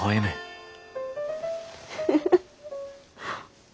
フフフ。